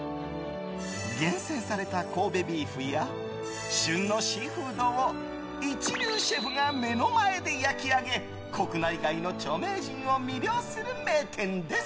厳選された神戸ビーフや旬のシーフードを一流シェフが目の前で焼き上げ国内外の著名人を魅了する名店です。